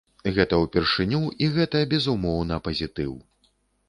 Гэта ўпершыню і гэта безумоўна пазітыў!